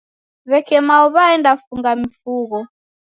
W'eke mao w'aenda funga mifugho